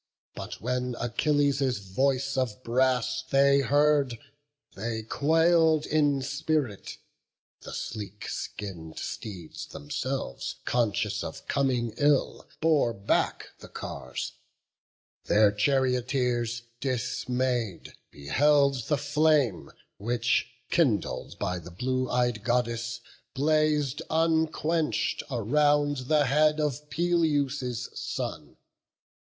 But when Achilles' voice of brass they heard, They quail'd in spirit; the sleek skin'd steeds themselves, Conscious of coming ill, bore back the cars: Their charioteers, dismay'd, beheld the flame Which, kindled by the blue ey'd Goddess, blaz'd Unquench'd around the head of Peleus' son.